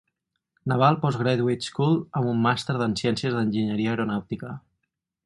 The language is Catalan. Naval Postgraduate School amb un màster en ciències d'enginyeria aeronàutica.